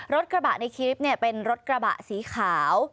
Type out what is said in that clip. รถกระบะในคลิปเป็นรถกระบะสีขาว